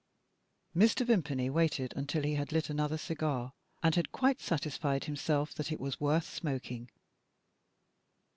Mr. Vimpany waited until he had lit another cigar, and had quite satisfied himself that it was worth smoking.